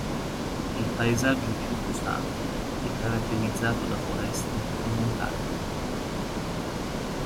Il paesaggio circostante è caratterizzato da foreste e montagne.